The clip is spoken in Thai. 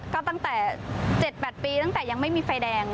ก็ตั้งแต่๗๘ปีตั้งแต่ยังไม่มีไฟแดง